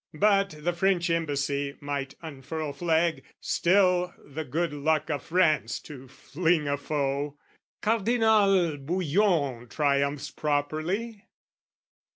"But the French Embassy might unfurl flag, "Still the good luck of France to fling a foe! "Cardinal Bouillon triumphs properly!